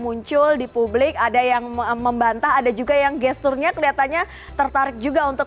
muncul di publik ada yang membantah ada juga yang gesturnya kelihatannya tertarik juga untuk